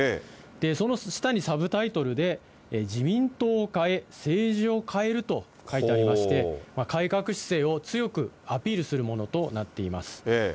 その下にサブタイトルで、自民党を変え、政治を変えると書いてありまして、改革姿勢を強くアピールするものとなっています。